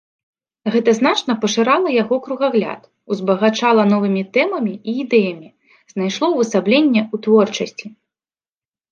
Гэта значна пашырала яго кругагляд, узбагачала новымі тэмамі і ідэямі, знайшло ўвасабленне ў творчасці.